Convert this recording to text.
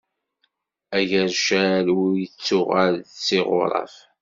Agercal ur ittuɣal s iɣuṛaf.